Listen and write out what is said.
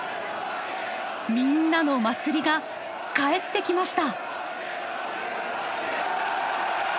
みんなの祭りが帰ってきました！